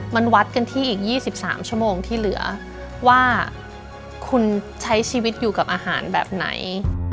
มันวัดกันที่อีก๒๓ชั่วโมงที่เหลือว่าคุณใช้ชีวิตอยู่กับอาหารแบบไหน